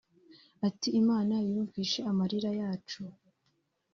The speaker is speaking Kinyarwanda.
Ati “Imana yumvise amarira yacu